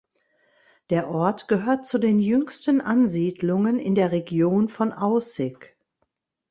Der Ort gehört zu den jüngsten Ansiedlungen in der Region von Aussig.